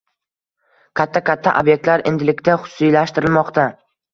Katta-katta obyektlar endilikda xususiylashtirilmoqda.